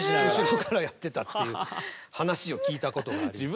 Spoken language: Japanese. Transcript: そこからやってたっていう話を聞いたことがあります。